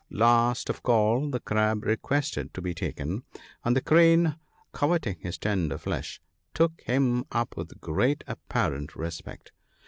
Last of all, the Crab requested to be taken ; and the Crane, coveting his tender flesh, took him up with great apparent respect.